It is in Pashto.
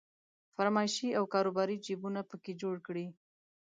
فرمایشي او کاروباري جيبونه په کې جوړ کړي.